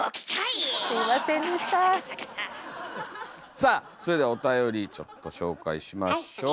さあそれではおたよりちょっと紹介しましょう。